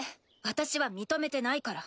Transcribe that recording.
私は認めてないから。